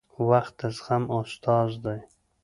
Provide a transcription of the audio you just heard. • وخت د زغم استاد دی.